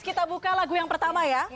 kita buka lagu yang pertama ya